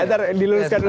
ntar diluruskan dulu